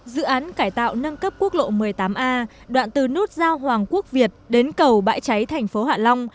dự án cải tạo nâng cấp quốc lộ một mươi tám a đoạn từ nút giao hoàng quốc việt đến cầu bãi cháy thành phố hạ long